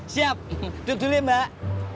siap tutup dulu ya mbak